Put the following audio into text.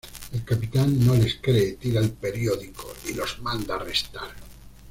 El capitán no les cree, tira el periódico y los manda arrestar.